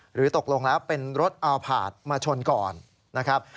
หรือตกลงแล้วเป็นรถอัลพาร์ทมาชนก่อนนะครับ